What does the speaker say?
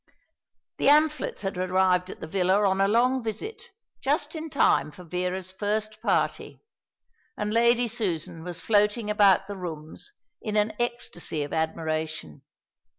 The Amphletts had arrived at the villa on a long visit, just in time for Vera's first party; and Lady Susan was floating about the rooms in an ecstasy of admiration.